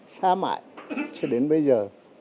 xa mãi cho đến bây giờ